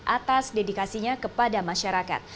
atas dedikasinya kepada masyarakat